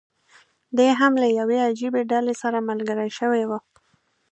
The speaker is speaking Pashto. دی هم له یوې عجیبي ډلې سره ملګری شوی و.